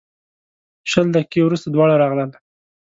شل دقیقې وروسته دواړه راغلل.